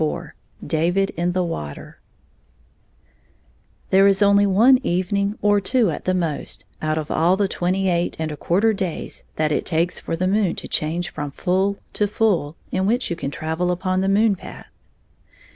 IV Dayid in the Water THERE is only one evening or two at most out of all the twenty eight and a quarter days that it takes for the moon to change from full to Ml in which you can travel upon the moon path.